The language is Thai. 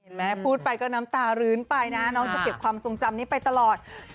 พูดไปก็น้ำตารื้นไปนะน้องจะเก็บความทรงจำนี้ไปตลอด